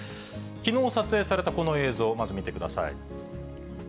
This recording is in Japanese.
きのう撮影されたこの映像、まず見てください。